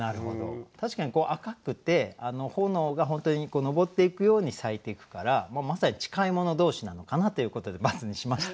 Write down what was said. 確かに赤くて炎が本当に上っていくように咲いていくからまさに近いもの同士なのかなということで×にしました。